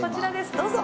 どうぞ。